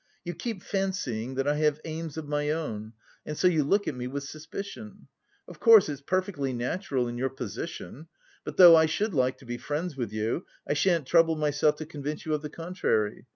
"You keep fancying that I have aims of my own and so you look at me with suspicion. Of course it's perfectly natural in your position. But though I should like to be friends with you, I shan't trouble myself to convince you of the contrary.